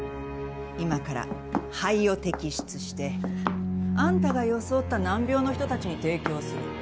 今から肺を摘出してあんたが装った難病の人たちに提供する。